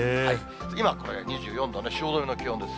今、これが２４度の汐留の気温です。